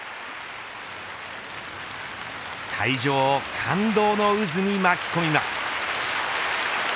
会場を感動の渦に巻き込みます。